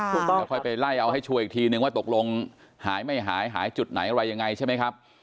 เดี๋ยวค่อยไปไล่เอาให้ชัวร์อีกทีนึงว่าตกลงหายไม่หายหายจุดไหนอะไรยังไงใช่ไหมครับ